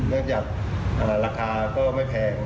เนื่องจากราคาก็ไม่แพง